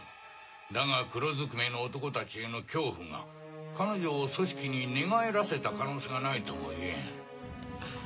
だが黒ずくめの男たちへの恐怖が彼女を組織に寝返らせた可能性がないとも言えん。